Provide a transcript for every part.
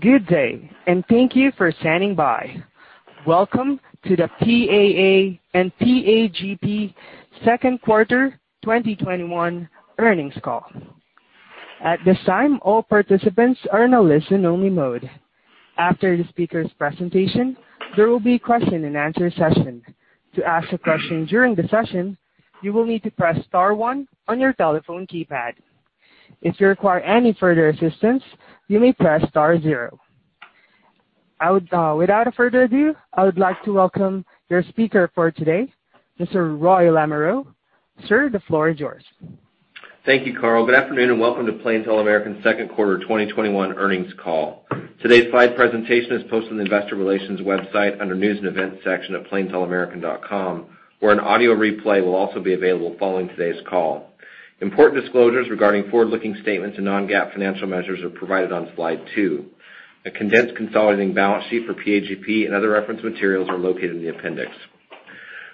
Good day, and thank you for standing by. Welcome to the PAA and PAGP second quarter 2021 earnings call. At this time, all participants are in a listen only mode. After the speaker's presentation, there will be a question and answer session. To ask a question during the session, you will need to press star one on your telephone keypad. If you require any further assistance, you may press star zero. Without further ado, I would like to welcome your speaker for today, Mr. Roy Lamoreaux. Sir, the floor is yours. Thank you, Carl. Good afternoon, welcome to Plains All American second quarter 2021 earnings call. Today's slide presentation is posted on the investor relations website under News and Events section at plainsallamerican.com, where an audio replay will also be available following today's call. Important disclosures regarding forward-looking statements and non-GAAP financial measures are provided on slide two. A condensed consolidated balance sheet for PAGP and other reference materials are located in the appendix.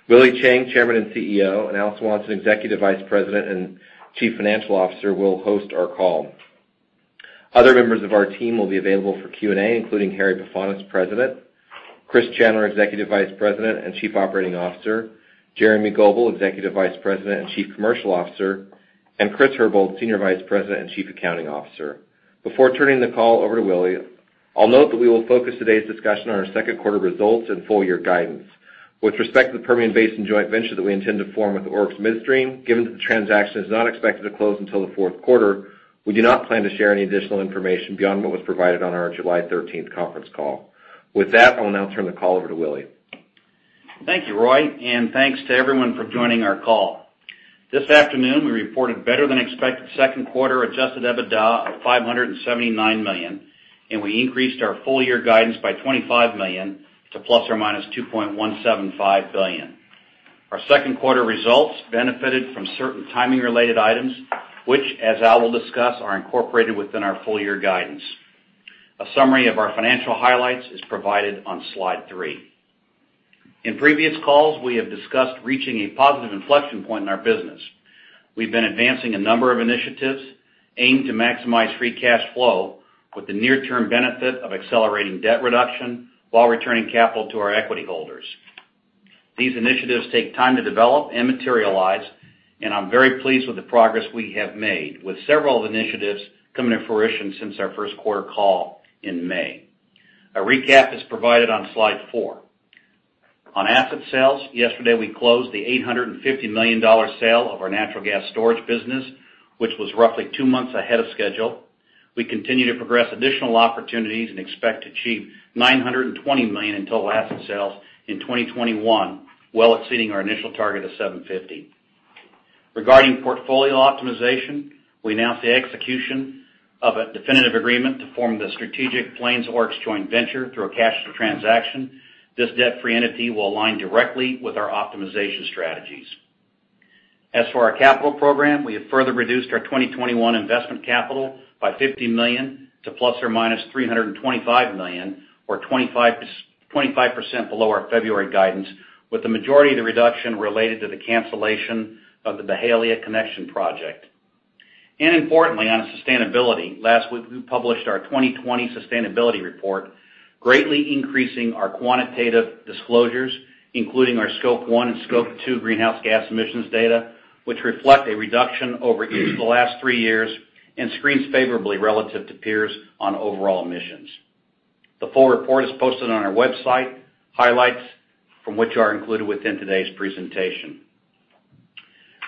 Willie Chiang, Chairman and Chief Executive Officer, and Al Swanson, Executive Vice President and Chief Financial Officer, will host our call. Other members of our team will be available for Q&A, including Harry Pefanis, President, Chris Chandler, Executive Vice President and Chief Operating Officer, Jeremy Goebel, Executive Vice President and Chief Commercial Officer, and Chris Herbold, Senior Vice President and Chief Accounting Officer. Before turning the call over to Willie, I'll note that we will focus today's discussion on our second quarter results and full year guidance. With respect to the Permian Basin joint venture that we intend to form with Oryx Midstream, given that the transaction is not expected to close until the fourth quarter, we do not plan to share any additional information beyond what was provided on our July 13th conference call. With that, I'll now turn the call over to Willie. Thank you, Roy. Thanks to everyone for joining our call. This afternoon, we reported better than expected second quarter adjusted EBITDA of $579 million. We increased our full year guidance by $25 million to $±2.175 billion. Our second quarter results benefited from certain timing-related items, which, as Al will discuss, are incorporated within our full year guidance. A summary of our financial highlights is provided on slide three. In previous calls, we have discussed reaching a positive inflection point in our business. We've been advancing a number of initiatives aimed to maximize free cash flow with the near-term benefit of accelerating debt reduction while returning capital to our equity holders. These initiatives take time to develop and materialize. I'm very pleased with the progress we have made, with several of the initiatives coming to fruition since our first quarter call in May. A recap is provided on slide four. On asset sales, yesterday we closed the $850 million sale of our natural gas storage business, which was roughly two months ahead of schedule. We continue to progress additional opportunities and expect to achieve $920 million in total asset sales in 2021, well exceeding our initial target of $750 million. Regarding portfolio optimization, we announced the execution of a definitive agreement to form the strategic Plains Oryx joint venture through a cash transaction. This debt-free entity will align directly with our optimization strategies. As for our capital program, we have further reduced our 2021 investment capital by $50 million to $±325 million, or 25% below our February guidance, with the majority of the reduction related to the cancellation of the Byhalia Connection project. Importantly, on sustainability, last week we published our 2020 sustainability report, greatly increasing our quantitative disclosures, including our Scope 1 and Scope 2 greenhouse gas emissions data, which reflect a reduction over each of the last three years and screens favorably relative to peers on overall emissions. The full report is posted on our website. Highlights from which are included within today's presentation.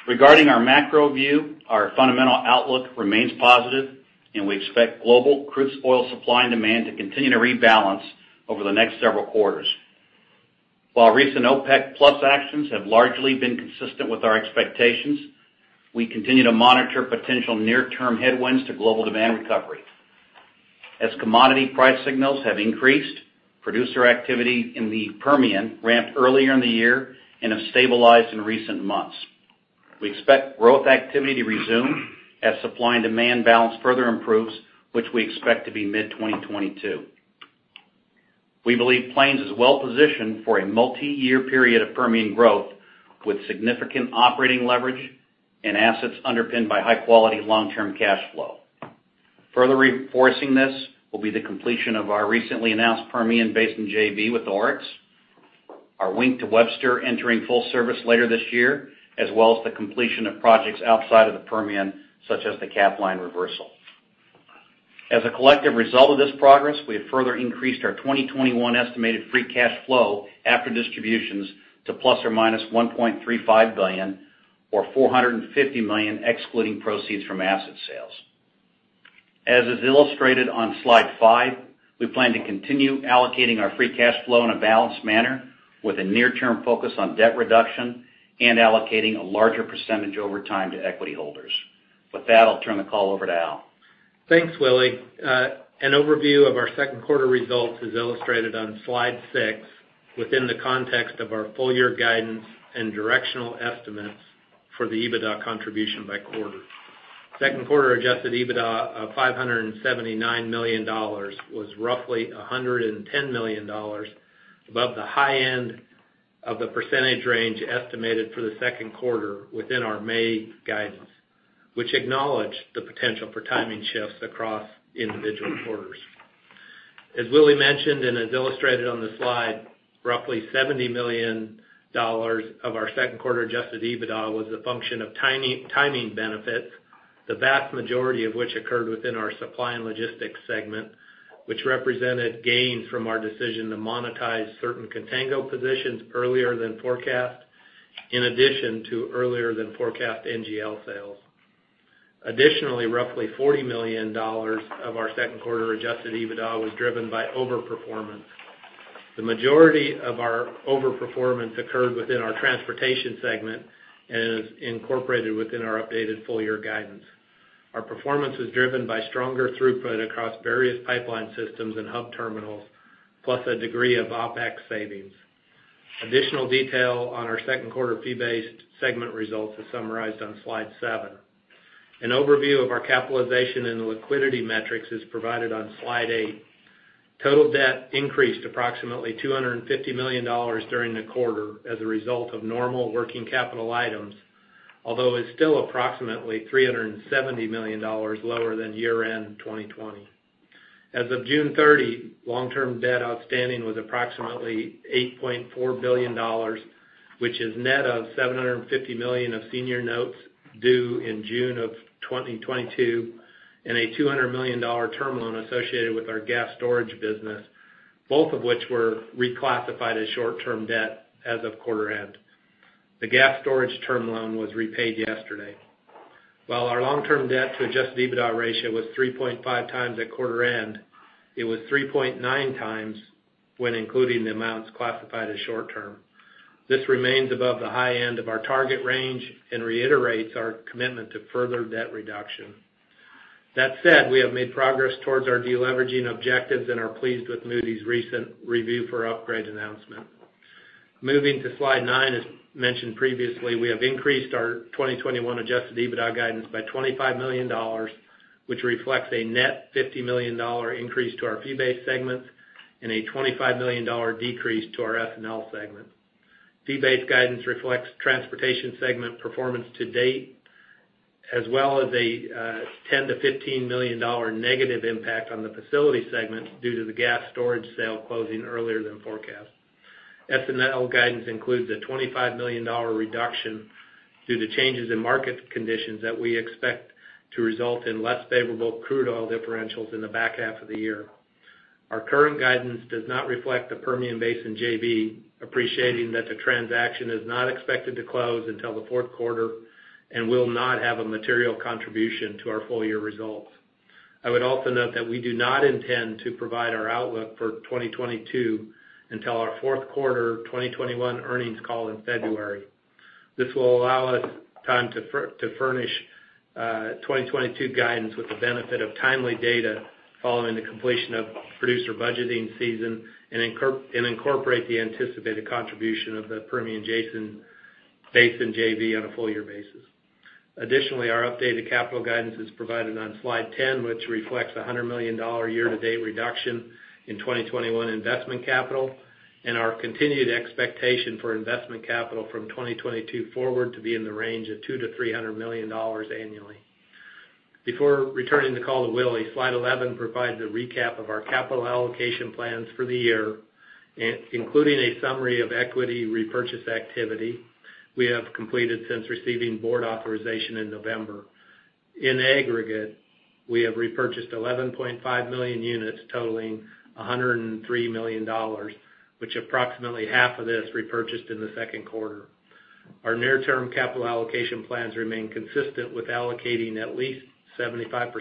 Regarding our macro view, our fundamental outlook remains positive, and we expect global crude oil supply and demand to continue to rebalance over the next several quarters. While recent OPEC+ actions have largely been consistent with our expectations, we continue to monitor potential near-term headwinds to global demand recovery. As commodity price signals have increased, producer activity in the Permian ramped earlier in the year and have stabilized in recent months. We expect growth activity to resume as supply and demand balance further improves, which we expect to be mid-2022. We believe Plains is well-positioned for a multi-year period of Permian growth with significant operating leverage and assets underpinned by high-quality long-term cash flow. Further reinforcing this will be the completion of our recently announced Permian Basin JV with Oryx, our Wink-to-Webster entering full service later this year, as well as the completion of projects outside of the Permian, such as the Capline reversal. As a collective result of this progress, we have further increased our 2021 estimated free cash flow after distributions to $±1.35 billion or $450 million excluding proceeds from asset sales. As is illustrated on slide five, we plan to continue allocating our free cash flow in a balanced manner with a near-term focus on debt reduction and allocating a larger percentage over time to equity holders. With that, I'll turn the call over to Al. Thanks, Willie. An overview of our second quarter results is illustrated on slide six within the context of our full-year guidance and directional estimates for the EBITDA contribution by quarter. Second quarter adjusted EBITDA of $579 million was roughly $110 million above the high end Of the percentage range estimated for the second quarter within our May guidance, which acknowledged the potential for timing shifts across individual quarters. As Willie mentioned, and as illustrated on the slide, roughly $70 million of our second quarter adjusted EBITDA was a function of timing benefits, the vast majority of which occurred within our Supply and Logistics segment, which represented gains from our decision to monetize certain contango positions earlier than forecast, in addition to earlier than forecast NGL sales. Additionally, roughly $40 million of our second quarter adjusted EBITDA was driven by over-performance. The majority of our over-performance occurred within our transportation segment and is incorporated within our updated full-year guidance. Our performance is driven by stronger throughput across various pipeline systems and hub terminals, plus a degree of OpEx savings. Additional detail on our second quarter fee-based segment results is summarized on slide seven. An overview of our capitalization and liquidity metrics is provided on slide eight. Total debt increased approximately $250 million during the quarter as a result of normal working capital items, although is still approximately $370 million lower than year-end 2020. As of June 30, long-term debt outstanding was approximately $8.4 billion, which is net of $750 million of senior notes due in June of 2022, and a $200 million term loan associated with our gas storage business, both of which were reclassified as short-term debt as of quarter end. The gas storage term loan was repaid yesterday. While our long-term debt to adjusted EBITDA ratio was 3.5x at quarter end, it was 3.9x when including the amounts classified as short-term. This remains above the high end of our target range and reiterates our commitment to further debt reduction. That said, we have made progress towards our de-leveraging objectives and are pleased with Moody's recent review for upgrade announcement. Moving to slide nine, as mentioned previously, we have increased our 2021 adjusted EBITDA guidance by $25 million, which reflects a net $50 million increase to our fee-based segments and a $25 million decrease to our S&L segment. Fee-based guidance reflects transportation segment performance to date, as well as a $10 million-$15 million negative impact on the facility segment due to the gas storage sale closing earlier than forecast. S&L guidance includes a $25 million reduction due to changes in market conditions that we expect to result in less favorable crude oil differentials in the back half of the year. Our current guidance does not reflect the Permian Basin JV, appreciating that the transaction is not expected to close until the fourth quarter and will not have a material contribution to our full-year results. I would also note that we do not intend to provide our outlook for 2022 until our fourth quarter 2021 earnings call in February. This will allow us time to furnish 2022 guidance with the benefit of timely data following the completion of producer budgeting season and incorporate the anticipated contribution of the Permian Basin JV on a full year basis. Additionally, our updated capital guidance is provided on slide 10, which reflects a $100 million year-to-date reduction in 2021 investment capital and our continued expectation for investment capital from 2022 forward to be in the range of $200 million-$300 million annually. Before returning the call to Willie, slide 11 provides a recap of our capital allocation plans for the year, including a summary of equity repurchase activity we have completed since receiving board authorization in November. In aggregate, we have repurchased 11.5 million units totaling $103 million, which approximately half of this repurchased in the second quarter. Our near-term capital allocation plans remain consistent with allocating at least 75%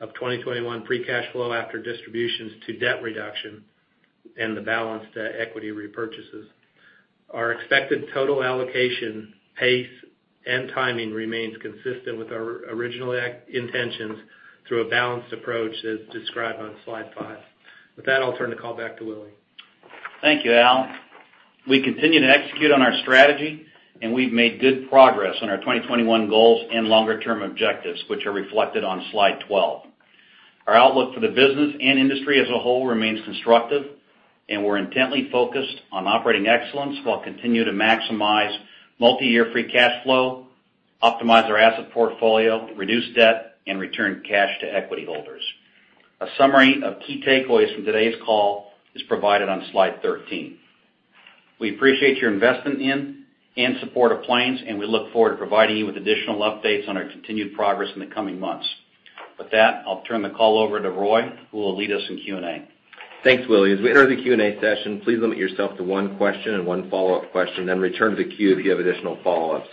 of 2021 free cash flow after distributions to debt reduction and the balance to equity repurchases. Our expected total allocation pace and timing remains consistent with our original intentions through a balanced approach as described on slide five. With that, I'll turn the call back to Willie. Thank you, Al. We continue to execute on our strategy, and we've made good progress on our 2021 goals and longer-term objectives, which are reflected on slide 12. Our outlook for the business and industry as a whole remains constructive, and we're intently focused on operating excellence while continuing to maximize multi-year free cash flow, optimize our asset portfolio, reduce debt, and return cash to equity holders. A summary of key takeaways from today's call is provided on slide 13. We appreciate your investment in and support of Plains, and we look forward to providing you with additional updates on our continued progress in the coming months. With that, I'll turn the call over to Roy, who will lead us in Q&A. Thanks, Willie. As we enter the Q&A session, please limit yourself to one question and one follow-up question, then return to the queue if you have additional follow-ups.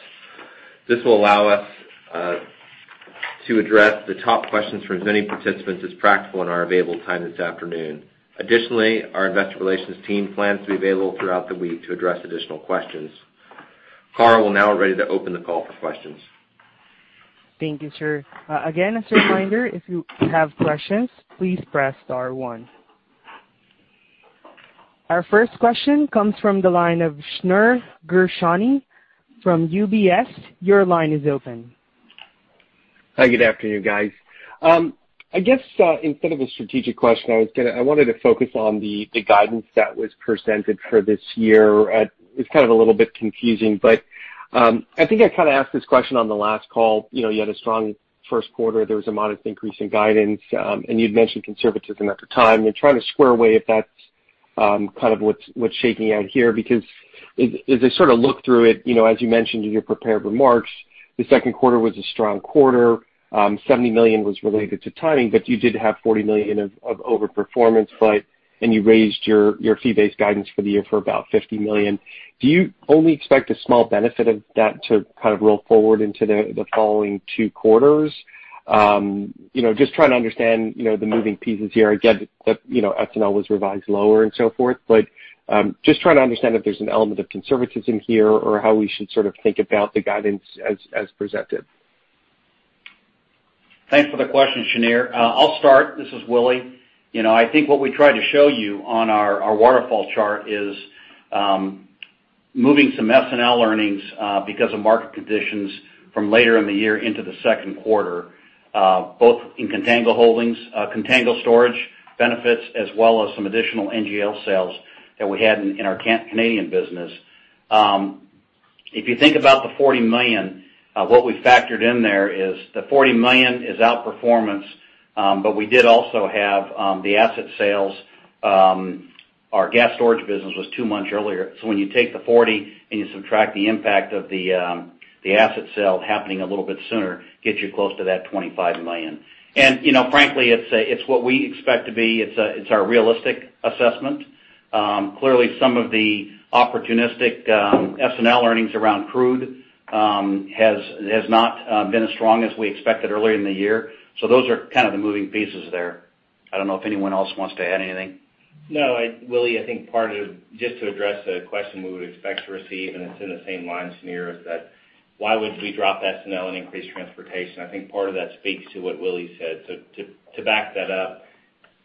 This will allow us to address the top questions from as many participants as practical in our available time this afternoon. Additionally, our investor relations team plans to be available throughout the week to address additional questions. Carl, we're now ready to open the call for questions. Thank you, sir. Again, as a reminder, if you have questions, please press star one. Our first question comes from the line of Shneur Gershuni from UBS. Your line is open. Hi. Good afternoon, guys. I guess instead of a strategic question, I wanted to focus on the guidance that was presented for this year. It's kind of a little bit confusing, but I think I kind of asked this question on the last call. You had a strong first quarter, there was a modest increase in guidance, and you'd mentioned conservatism at the time. I'm trying to square away if that's kind of what's shaking out here, because as I sort of look through it, as you mentioned in your prepared remarks, the second quarter was a strong quarter. $70 million was related to timing, but you did have $40 million of overperformance, and you raised your fee-based guidance for the year for about $50 million. Do you only expect a small benefit of that to kind of roll forward into the following two quarters? Just trying to understand the moving pieces here. The S&L was revised lower and so forth, but just trying to understand if there's an element of conservatism here or how we should sort of think about the guidance as presented. Thanks for the question, Shneur. I'll start. This is Willie. I think what we tried to show you on our waterfall chart is moving some S&L earnings because of market conditions from later in the year into the second quarter, both in contango holdings, contango storage benefits, as well as some additional NGL sales that we had in our Canadian business. If you think about the $40 million, what we factored in there is the $40 million is outperformance, but we did also have the asset sales. Our gas storage business was two months earlier. When you take the $40 million and you subtract the impact of the asset sale happening a little bit sooner, gets you close to that $25 million. Frankly, it's what we expect to be. It's our realistic assessment. Clearly, some of the opportunistic S&L earnings around crude has not been as strong as we expected earlier in the year. Those are kind of the moving pieces there. I don't know if anyone else wants to add anything? No. Willie, I think just to address the question we would expect to receive, it's in the same line, Shneur, is that why would we drop S&L and increase transportation? Part of that speaks to what Willie said. To back that up,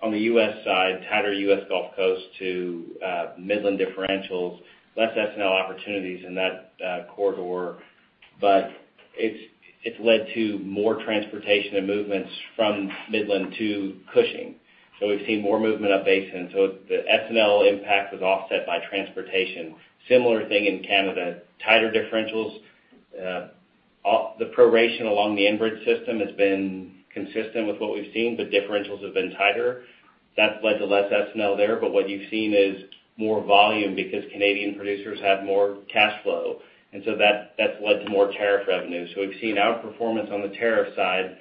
on the U.S. side, tighter U.S. Gulf Coast to Midland differentials, less S&L opportunities in that corridor. It's led to more transportation and movements from Midland to Cushing. We've seen more movement up basin. The S&L impact was offset by transportation. Similar thing in Canada. Tighter differentials. The proration along the Enbridge system has been consistent with what we've seen, differentials have been tighter. That's led to less S&L there, what you've seen is more volume because Canadian producers have more cash flow, that's led to more tariff revenue. We've seen outperformance on the tariff side,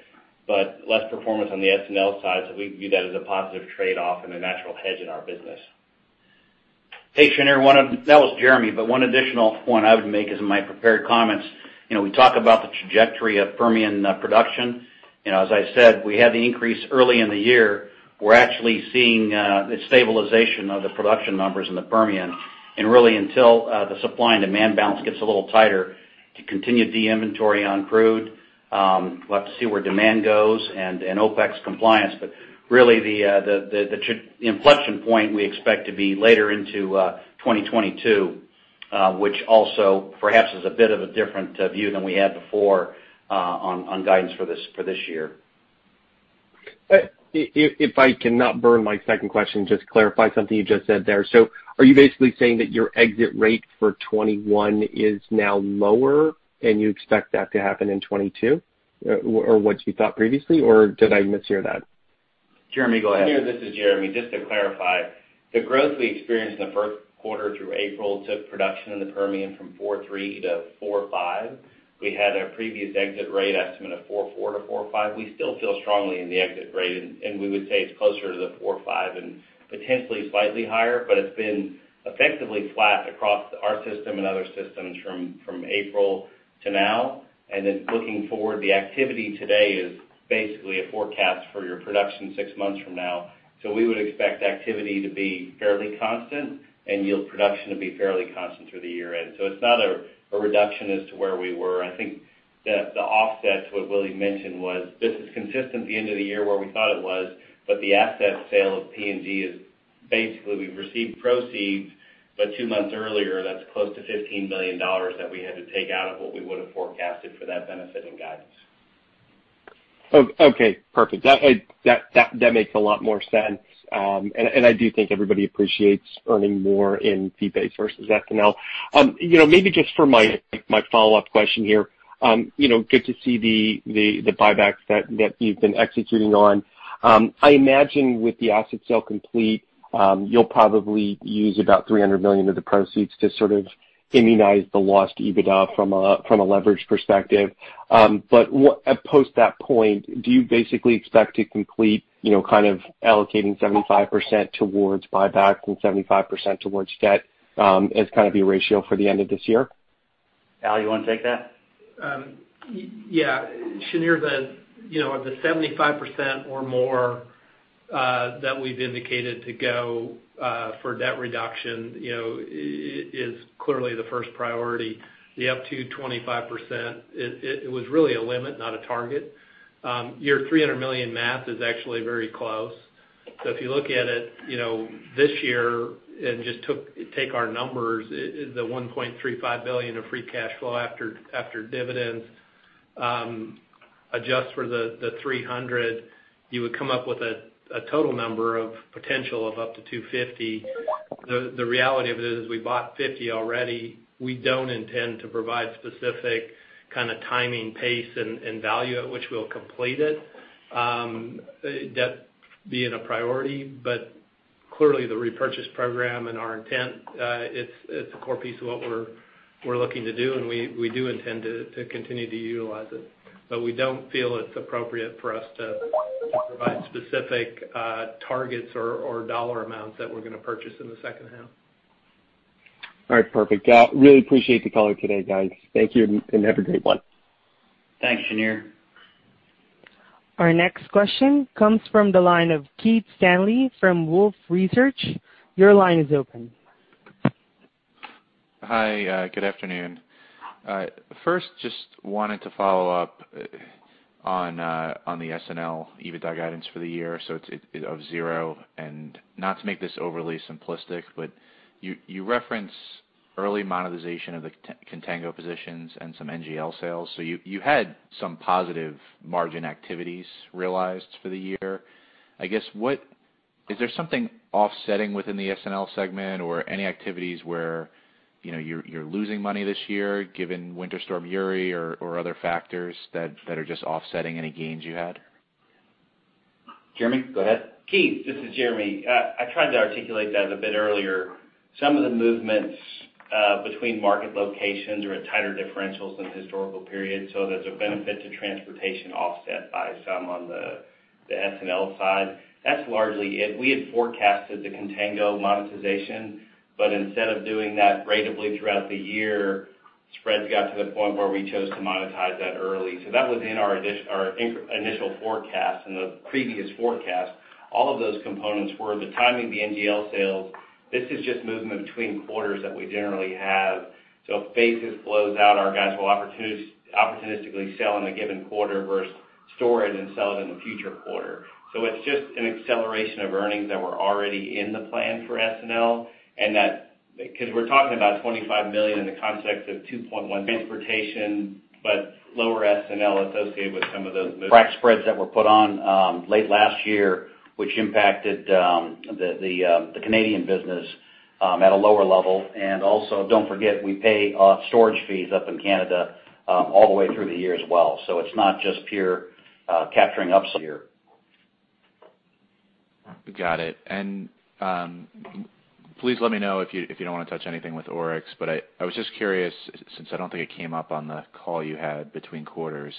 but less performance on the S&L side. We view that as a positive trade-off and a natural hedge in our business. Hey, Shneur. That was Jeremy, but one additional point I would make is in my prepared comments. We talk about the trajectory of Permian production, and as I said, we had the increase early in the year. We're actually seeing a stabilization of the production numbers in the Permian. Really until the supply and demand balance gets a little tighter to continue de-inventory on crude, we'll have to see where demand goes and OpEx compliance. Really the inflection point we expect to be later into 2022, which also perhaps is a bit of a different view than we had before on guidance for this year. If I can not burn my second question, just to clarify something you just said there. Are you basically saying that your exit rate for 2021 is now lower and you expect that to happen in 2022 from what you thought previously, or did I mishear that? Jeremy, go ahead. Shneur, this is Jeremy. Just to clarify, the growth we experienced in the first quarter through April took production in the Permian from 4.3% to 4.5%. We had our previous exit rate estimate of 4.4%-4.5%. We still feel strongly in the exit rate. We would say it's closer to the 4.5% and potentially slightly higher, but it's been effectively flat across our system and other systems from April to now. Looking forward, the activity today is basically a forecast for your production six months from now. We would expect activity to be fairly constant and yield production to be fairly constant through the year-end. It's not a reduction as to where we were. I think that the offset to what Willie mentioned was this is consistent at the end of the year where we thought it was, but the asset sale of PNG is basically we've received proceeds, but two months earlier. That's close to $15 million that we had to take out of what we would have forecasted for that benefit and guidance. Okay, perfect. That makes a lot more sense. I do think everybody appreciates earning more in fee-based versus S&L. Maybe just for my follow-up question here. Good to see the buybacks that you've been executing on. I imagine with the asset sale complete, you'll probably use about $300 million of the proceeds to sort of immunize the lost EBITDA from a leverage perspective. Post that point, do you basically expect to complete allocating 75% towards buyback and 75% towards debt as kind of your ratio for the end of this year? Al, you want to take that? Yeah. Shneur, of the 75% or more that we've indicated to go for debt reduction is clearly the first priority. The up to 25%, it was really a limit, not a target. Your $300 million math is actually very close. If you look at it this year and just take our numbers, the $1.35 billion of free cash flow after dividends, adjust for the $300 million, you would come up with a total number of potential of up to $250 million. The reality of it is we bought $50 million already. We don't intend to provide specific kind of timing, pace, and value at which we'll complete it. That being a priority, but clearly the repurchase program and our intent, it's a core piece of what we're looking to do, and we do intend to continue to utilize it. We don't feel it's appropriate for us to provide specific targets or dollar amounts that we're going to purchase in the second half. All right. Perfect. Really appreciate the call today, guys. Thank you, and have a great one. Thanks, Shneur. Our next question comes from the line of Keith Stanley from Wolfe Research. Your line is open. Hi. Good afternoon. Just wanted to follow up on the SNL EBITDA guidance for the year. It's of zero, not to make this overly simplistic, but you reference early monetization of the contango positions and some NGL sales. You had some positive margin activities realized for the year. I guess, is there something offsetting within the SNL segment or any activities where you're losing money this year given Winter Storm Uri or other factors that are just offsetting any gains you had? Jeremy, go ahead. Keith, this is Jeremy. I tried to articulate that a bit earlier. Some of the movements between market locations are at tighter differentials than historical periods. There's a benefit to transportation offset by some on the SNL side. That's largely it. We had forecasted the contango monetization, but instead of doing that ratably throughout the year, spreads got to the point where we chose to monetize that early. That was in our initial forecast, in the previous forecast. All of those components were the timing of the NGL sales. This is just movement between quarters that we generally have. If basis flows out, our guys will opportunistically sell in a given quarter versus store it and sell it in a future quarter. It's just an acceleration of earnings that were already in the plan for SNL, because we're talking about $25 million. Transportation, but lower S&L associated with some of those. Frac spreads that were put on late last year, which impacted the Canadian business at a lower level. Don't forget, we pay storage fees up in Canada all the way through the year as well. It's not just pure capturing ups here. Got it. Please let me know if you don't want to touch anything with Oryx, but I was just curious, since I don't think it came up on the call you had between quarters.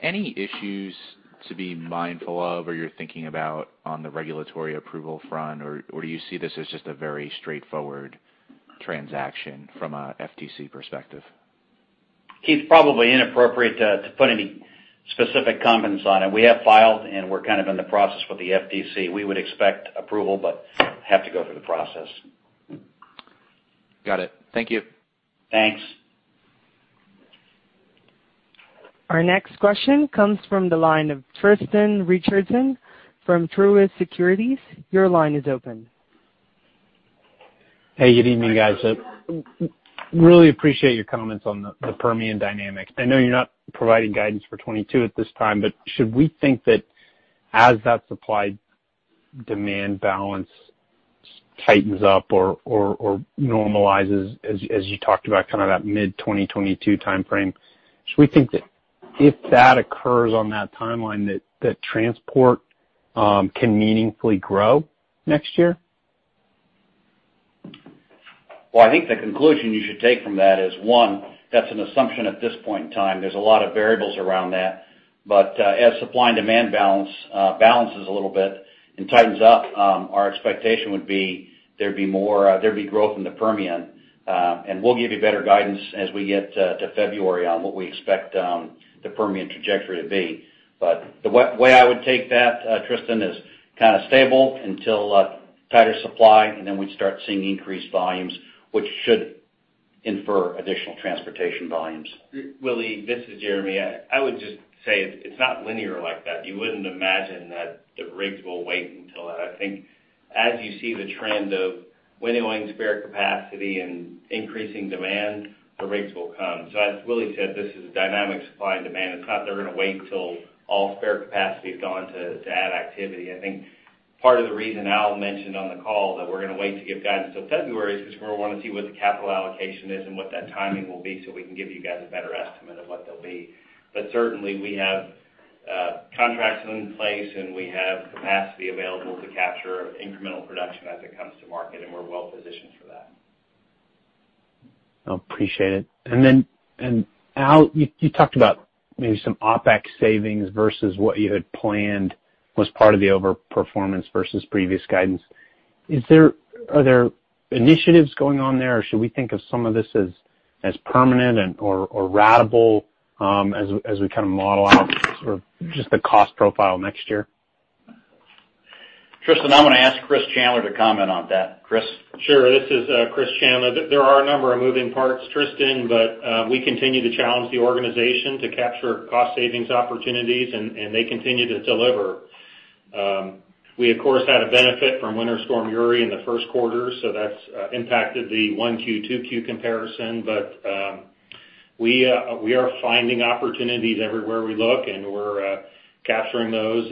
Any issues to be mindful of or you're thinking about on the regulatory approval front, or do you see this as just a very straightforward transaction from a FTC perspective? Keith, probably inappropriate to put any specific comments on it. We have filed, and we're kind of in the process with the FTC. We would expect approval, but have to go through the process. Got it. Thank you. Thanks. Our next question comes from the line of Tristan Richardson from Truist Securities. Your line is open. Hey, good evening, guys. Really appreciate your comments on the Permian dynamics. I know you're not providing guidance for 2022 at this time. Should we think that as that supply-demand balance tightens up or normalizes as you talked about, kind of that mid 2022 timeframe? Should we think that if that occurs on that timeline, that transport can meaningfully grow next year? Well, I think the conclusion you should take from that is, one, that's an assumption at this point in time. There's a lot of variables around that. As supply and demand balances a little bit and tightens up, our expectation would be there'd be growth in the Permian. We'll give you better guidance as we get to February on what we expect the Permian trajectory to be. The way I would take that, Tristan, is kind of stable until tighter supply, and then we'd start seeing increased volumes, which should infer additional transportation volumes. Willie, this is Jeremy. I would just say it's not linear like that. You wouldn't imagine that the rigs will wait until that. I think as you see the trend of winning spare capacity and increasing demand, the rigs will come. As Willie said, this is a dynamic supply and demand. It's not they're going to wait until all spare capacity has gone to add activity. I think part of the reason Al mentioned on the call that we're going to wait to give guidance till February is because we want to see what the capital allocation is and what that timing will be so we can give you guys a better estimate of what they'll be. Certainly, we have contracts in place, and we have capacity available to capture incremental production as it comes to market, and we're well-positioned for that. I appreciate it. Then Al, you talked about maybe some OpEx savings versus what you had planned was part of the over-performance versus previous guidance. Are there initiatives going on there, or should we think of some of this as permanent or ratable as we kind of model out sort of just the cost profile next year? Tristan, I'm going to ask Chris Chandler to comment on that. Chris? Sure. This is Chris Chandler. There are a number of moving parts, Tristan. We continue to challenge the organization to capture cost savings opportunities. They continue to deliver. We, of course, had a benefit from Winter Storm Uri in the first quarter. That's impacted the 1Q, 2Q comparison. We are finding opportunities everywhere we look. We're capturing those.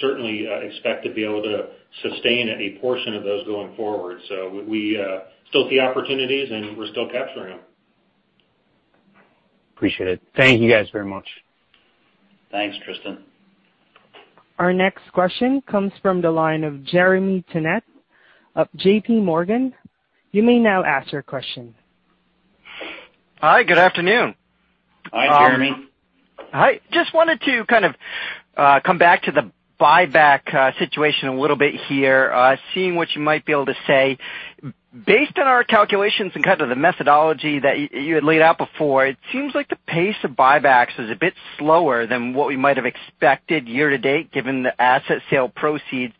Certainly expect to be able to sustain a portion of those going forward. We still see opportunities. We're still capturing them. Appreciate it. Thank you guys very much. Thanks, Tristan. Our next question comes from the line of Jeremy Tonet of JPMorgan. You may now ask your question. Hi, good afternoon. Hi, Jeremy. Hi. Just wanted to kind of come back to the buyback situation a little bit here, seeing what you might be able to say. Based on our calculations and kind of the methodology that you had laid out before, it seems like the pace of buybacks is a bit slower than what we might have expected year-to-date, given the asset sale proceeds.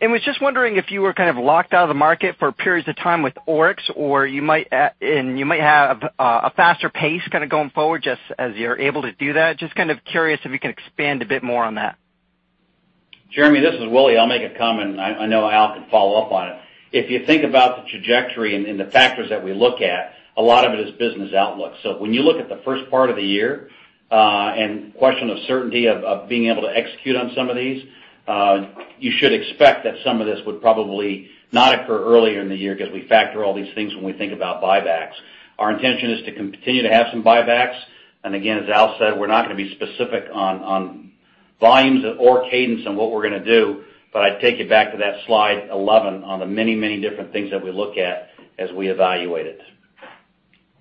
Was just wondering if you were kind of locked out of the market for periods of time with Oryx, or you might have a faster pace kind of going forward just as you're able to do that. Just kind of curious if you could expand a bit more on that. Jeremy, this is Willie. I'll make a comment. I know Al can follow up on it. If you think about the trajectory and the factors that we look at, a lot of it is business outlook. When you look at the first part of the year, and question of certainty of being able to execute on some of these, you should expect that some of this would probably not occur earlier in the year because we factor all these things when we think about buybacks. Our intention is to continue to have some buybacks, and again, as Al said, we're not going to be specific on volumes or cadence on what we're going to do. I'd take you back to that slide 11 on the many different things that we look at as we evaluate it.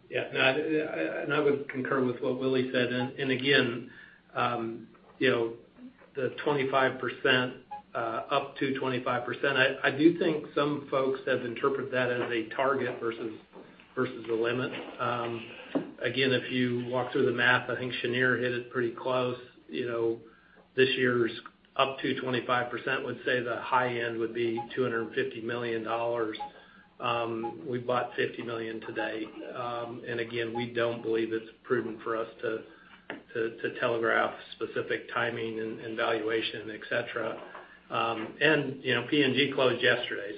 Yeah. I would concur with what Willie said. Again, the 25%, up to 25%, I do think some folks have interpreted that as a target versus a limit. Again, if you walk through the math, I think Shneur hit it pretty close. This year's up to 25%, let's say the high end would be $250 million. We've bought $50 million today. Again, we don't believe it's prudent for us to telegraph specific timing and valuation, et cetera. PNG closed yesterday.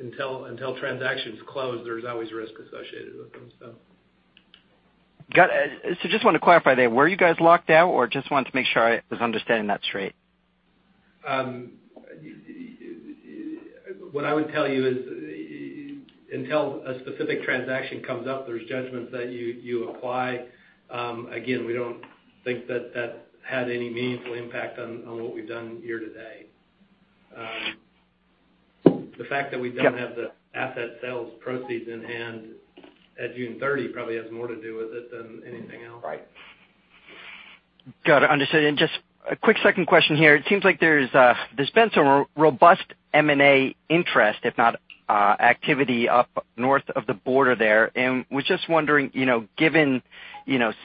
Until transactions close, there's always risk associated with them, so Got it. Just want to clarify there, were you guys locked out or just wanted to make sure I was understanding that straight? What I would tell you is, until a specific transaction comes up, there's judgments that you apply. Again, we don't think that that had any meaningful impact on what we've done year-to-date. The fact that we don't have the asset sales proceeds in hand at June 30 probably has more to do with it than anything else. Right. Got it, understood. Just a quick second question here. It seems like there's been some robust M&A interest, if not activity up north of the border there. Was just wondering, given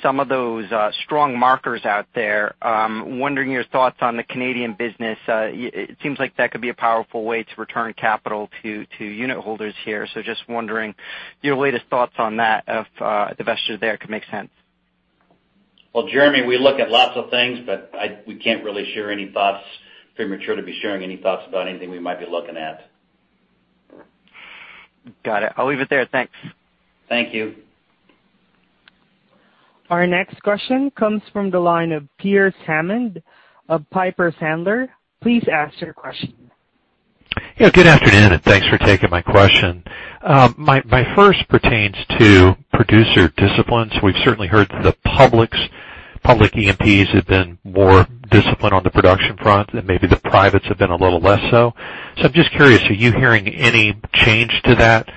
some of those strong markers out there, wondering your thoughts on the Canadian business. It seems like that could be a powerful way to return capital to unit holders here. Just wondering your latest thoughts on that, if divesting there could make sense. Well, Jeremy, we look at lots of things, but we can't really share any thoughts. Premature to be sharing any thoughts about anything we might be looking at. Got it. I'll leave it there. Thanks. Thank you. Our next question comes from the line of Pearce Hammond of Piper Sandler. Please ask your question. Yeah, good afternoon, and thanks for taking my question. My first pertains to producer discipline. We've certainly heard the public E&Ps have been more disciplined on the production front, and maybe the privates have been a little less so. I'm just curious, are you hearing any change to that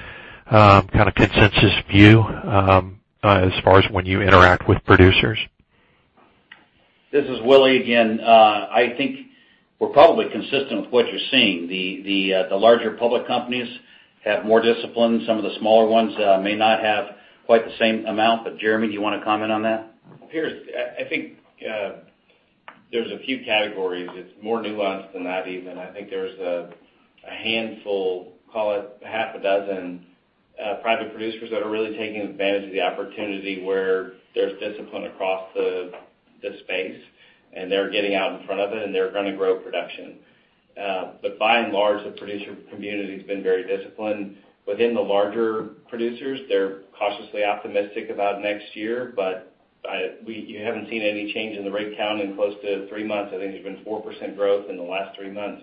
kind of consensus view as far as when you interact with producers? This is Willie again. I think we're probably consistent with what you're seeing. The larger public companies have more discipline. Some of the smaller ones may not have quite the same amount, but Jeremy, do you want to comment on that? Pearce, I think there's a few categories. It's more nuanced than that, even. I think there's a handful, call it half a dozen, private producers that are really taking advantage of the opportunity where there's discipline across the space, and they're getting out in front of it, and they're going to grow production. By and large, the producer community's been very disciplined. Within the larger producers, they're cautiously optimistic about next year, you haven't seen any change in the rig count in close to three months. I think there's been 4% growth in the last three months.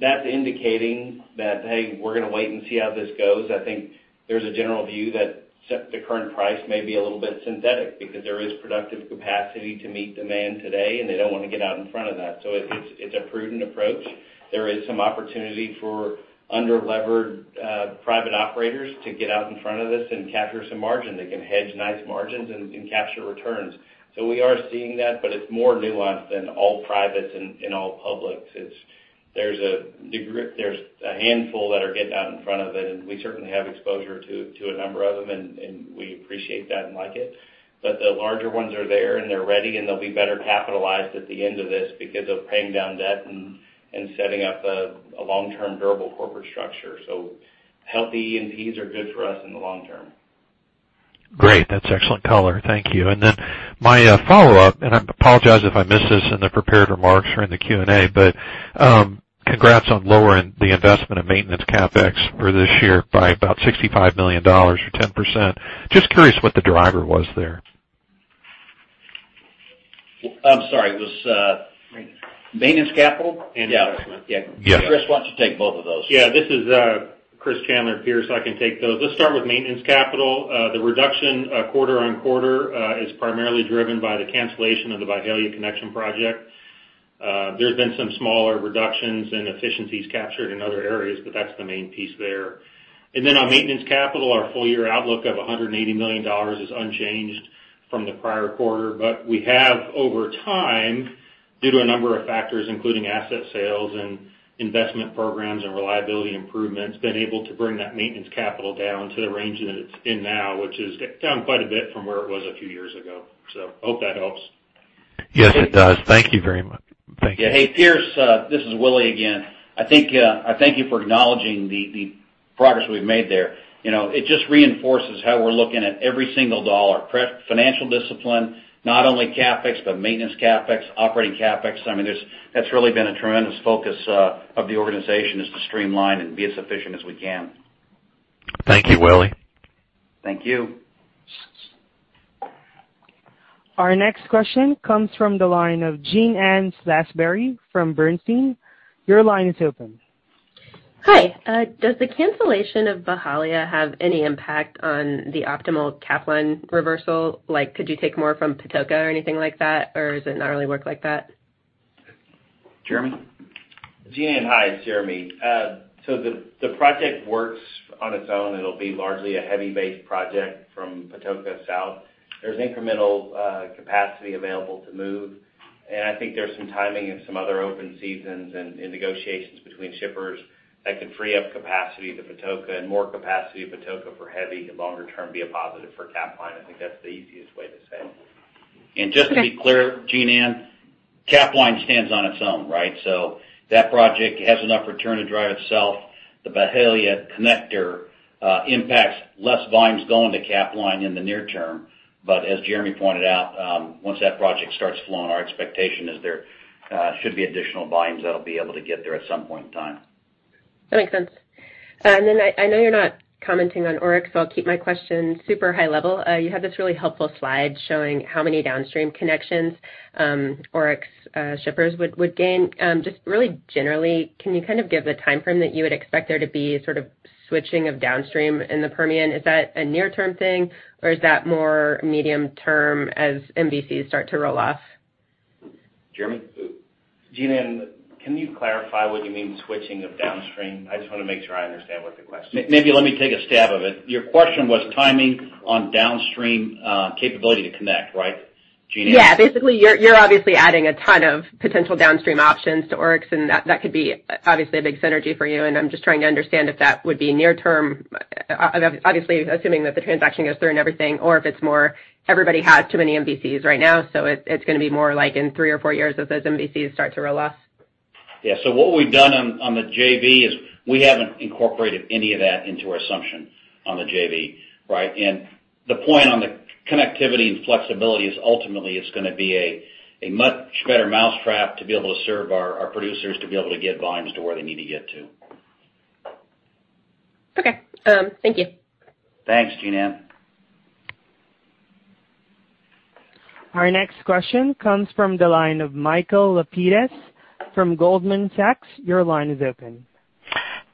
That's indicating that, hey, we're going to wait and see how this goes. I think there's a general view that the current price may be a little bit synthetic because there is productive capacity to meet demand today, and they don't want to get out in front of that. It's a prudent approach. There is some opportunity for under-levered private operators to get out in front of this and capture some margin. They can hedge nice margins and capture returns. We are seeing that, but it's more nuanced than all privates and all publics. It's. There's a handful that are getting out in front of it, and we certainly have exposure to a number of them, and we appreciate that and like it. The larger ones are there and they're ready, and they'll be better capitalized at the end of this because of paying down debt and setting up a long-term durable corporate structure. Healthy E&Ps are good for us in the long term. Great. That's excellent color. Thank you. My follow-up, I apologize if I missed this in the prepared remarks or in the Q&A, but congrats on lowering the investment in maintenance CapEx for this year by about $65 million or 10%. Just curious what the driver was there. I'm sorry. Maintenance. Maintenance capital? Investment. Yeah. Yes. Chris, why don't you take both of those? Yeah, this is Chris Chandler, Pearce. I can take those. Let's start with maintenance capital. The reduction quarter-on-quarter is primarily driven by the cancellation of the Byhalia Connection project. There's been some smaller reductions and efficiencies captured in other areas, but that's the main piece there. On maintenance capital, our full-year outlook of $180 million is unchanged from the prior quarter. We have over time, due to a number of factors, including asset sales and investment programs and reliability improvements, been able to bring that maintenance capital down to the range that it's in now, which is down quite a bit from where it was a few years ago. Hope that helps. Yes, it does. Thank you very much. Thank you. Yeah. Hey, Pearce, this is Willie again. I thank you for acknowledging the progress we've made there. It just reinforces how we're looking at every single dollar. Financial discipline, not only CapEx, but maintenance CapEx, operating CapEx. That's really been a tremendous focus of the organization, is to streamline and be as efficient as we can. Thank you, Willie. Thank you. Our next question comes from the line of Jean Ann Salisbury from Bernstein. Your line is open. Hi. Does the cancellation of Byhalia have any impact on the optimal Capline reversal? Could you take more from Patoka or anything like that, or does it not really work like that? Jeremy? Jean, hi, it's Jeremy. The project works on its own. It'll be largely a heavy-based project from Patoka South. There's incremental capacity available to move, and I think there's some timing and some other open seasons and negotiations between shippers that could free up capacity to Patoka, and more capacity to Patoka for heavy could longer term be a positive for Capline. I think that's the easiest way to say it. Okay. Just to be clear, Jean Ann, Capline stands on its own, right? That project has enough return to drive itself. The Byhalia Connector impacts less volumes going to Capline in the near term, but as Jeremy pointed out, once that project starts flowing, our expectation is there should be additional volumes that'll be able to get there at some point in time. That makes sense. I know you're not commenting on Oryx, so I'll keep my question super high level. You had this really helpful slide showing how many downstream connections Oryx shippers would gain. Just really generally, can you kind of give the timeframe that you would expect there to be sort of switching of downstream in the Permian? Is that a near-term thing, or is that more medium-term as MVCs start to roll off? Jeremy? Jean Ann, can you clarify what you mean switching of downstream? I just want to make sure I understand what the question is. Maybe let me take a stab of it. Your question was timing on downstream capability to connect, right, Jean Ann? Yeah. Basically, you're obviously adding a ton of potential downstream options to Oryx, and that could be obviously a big synergy for you, and I'm just trying to understand if that would be near term, obviously assuming that the transaction goes through and everything, or if it's more everybody has too many MVCs right now, so it's going to be more like in three or four years as those MVCs start to roll off. Yeah. What we've done on the JV is we haven't incorporated any of that into our assumption on the JV, right? The point on the connectivity and flexibility is ultimately it's going to be a much better mousetrap to be able to serve our producers to be able to get volumes to where they need to get to. Okay. Thank you. Thanks, Jean Ann. Our next question comes from the line of Michael Lapides from Goldman Sachs. Your line is open.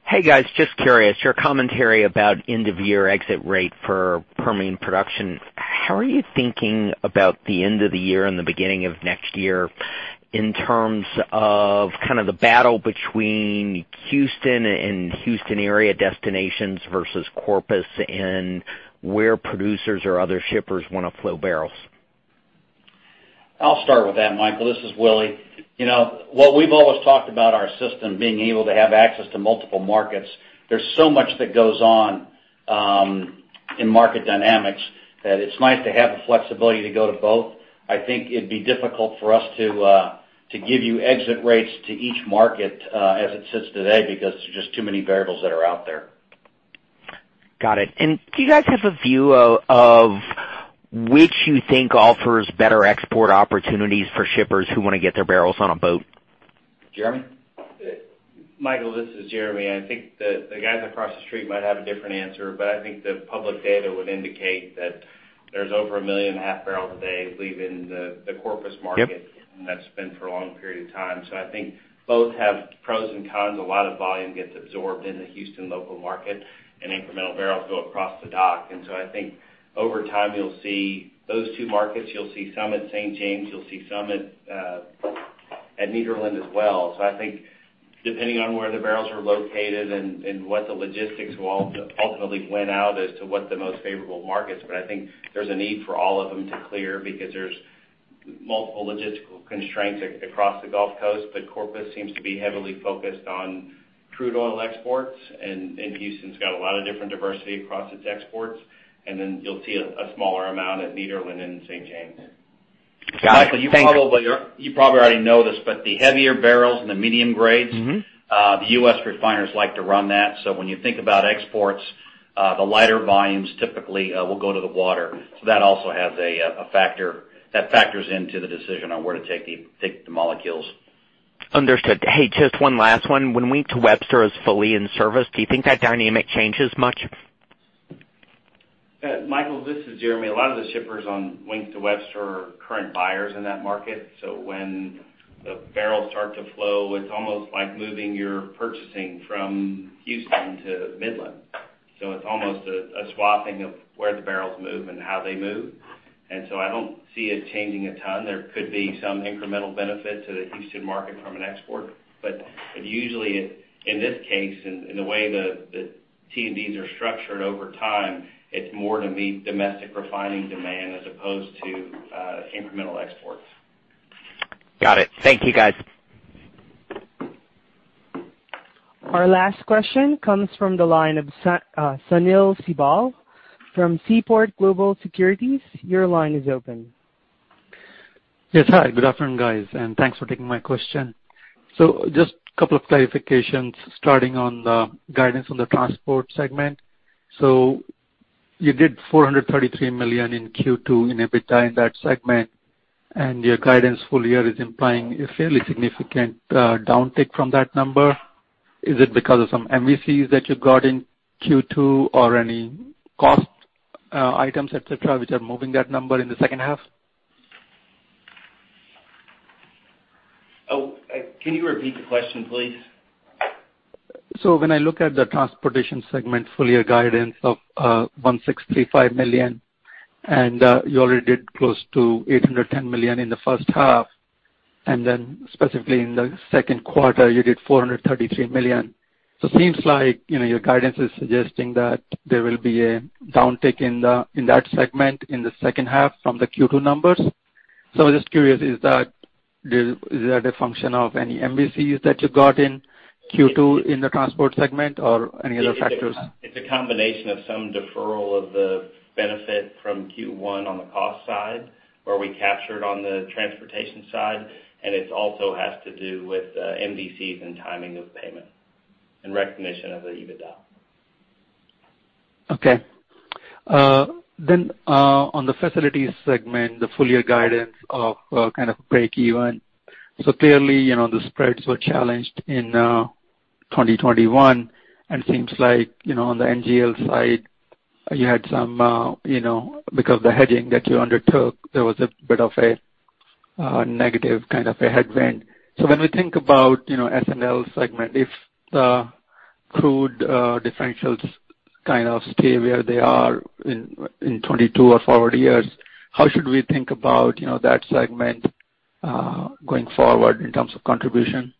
Hey, guys. Just curious, your commentary about end-of-year exit rate for Permian production, how are you thinking about the end of the year and the beginning of next year in terms of kind of the battle between Houston and Houston area destinations versus Corpus, and where producers or other shippers want to flow barrels? I'll start with that, Michael. This is Willie. What we've always talked about our system being able to have access to multiple markets, there's so much that goes on in market dynamics that it's nice to have the flexibility to go to both. I think it'd be difficult for us to give you exit rates to each market as it sits today because there are just too many variables that are out there. Got it. Do you guys have a view of which you think offers better export opportunities for shippers who want to get their barrels on a boat? Jeremy? Michael, this is Jeremy. I think the guys across the street might have a different answer, but I think the public data would indicate that there's over 1.5 million bbl a day leaving the Corpus market. Yep. That's been for a long period of time. I think both have pros and cons. A lot of volume gets absorbed in the Houston local market, incremental barrels go across the dock. I think over time you'll see those two markets. You'll see some at St. James, you'll see some at Nederland as well. I think depending on where the barrels are located and what the logistics will ultimately win out as to what the most favorable market is, but I think there's a need for all of them to clear. Multiple logistical constraints across the Gulf Coast, but Corpus seems to be heavily focused on crude oil exports, and Houston's got a lot of different diversity across its exports. You'll see a smaller amount at Nederland and St. James. Got it. Thank you. Michael, you probably already know this, but the heavier barrels and the medium grades. The U.S. refiners like to run that. When you think about exports, the lighter volumes typically will go to the water. That also has a factor. That factors into the decision on where to take the molecules. Understood. Hey, just one last one. When Wink-to-Webster is fully in service, do you think that dynamic changes much? Michael, this is Jeremy. A lot of the shippers on Wink-to-Webster are current buyers in that market. When the barrels start to flow, it's almost like moving your purchasing from Houston to Midland. It's almost a swapping of where the barrels move and how they move. I don't see it changing a ton. There could be some incremental benefit to the Houston market from an export. Usually, in this case, in the way the T&Ds are structured over time, it's more to meet domestic refining demand as opposed to incremental exports. Got it. Thank you, guys. Our last question comes from the line of Sunil Sibal from Seaport Global Securities. Your line is open. Yes. Hi, good afternoon, guys, thanks for taking my question. Just a couple of clarifications starting on the guidance on the transport segment. You did $433 million in Q2 in EBITDA in that segment, your guidance full-year is implying a fairly significant downtick from that number. Is it because of some MVCs that you got in Q2 or any cost items, et cetera, which are moving that number in the second half? Oh, can you repeat the question, please? When I look at the transportation segment full-year guidance of $1,635 million, and you already did close to $810 million in the first half, and then specifically in the second quarter, you did $433 million. Seems like your guidance is suggesting that there will be a downtick in that segment in the second half from the Q2 numbers. I'm just curious, is that a function of any MVCs that you got in Q2 in the transport segment or any other factors? It's a combination of some deferral of the benefit from Q1 on the cost side, where we captured on the transportation side, and it also has to do with MVCs and timing of payment and recognition of the EBITDA. Okay. On the facilities segment, the full-year guidance of kind of break-even. Clearly, the spreads were challenged in 2021, and seems like on the NGL side, because the hedging that you undertook, there was a bit of a negative kind of a headwind. When we think about S&L segment, if the crude differentials kind of stay where they are in 2022 or forward years, how should we think about that segment going forward in terms of contribution?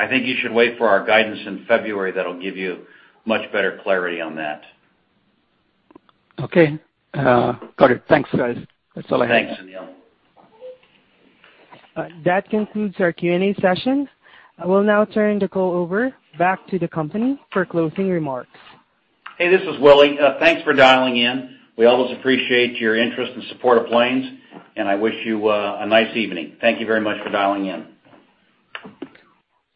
I think you should wait for our guidance in February. That'll give you much better clarity on that. Okay. Got it. Thanks, guys. That's all I had. Thanks, Sunil. That concludes our Q&A session. I will now turn the call over back to the company for closing remarks. Hey, this is Willie. Thanks for dialing in. We always appreciate your interest and support of Plains. I wish you a nice evening. Thank you very much for dialing in.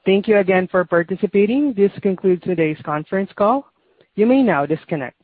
Thank you again for participating. This concludes today's conference call. You may now disconnect.